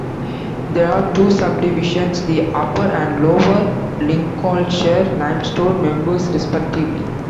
There are two sub-divisions, the Upper and Lower Lincolnshire Limestone Members respectively.